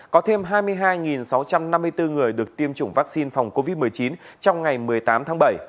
có thêm hai mươi hai sáu trăm năm mươi bốn người được tiêm chủng vaccine phòng covid một mươi chín trong ngày một mươi tám tháng bảy